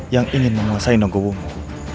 yang ingin menguasai nogowumu